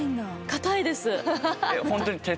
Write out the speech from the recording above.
硬いです。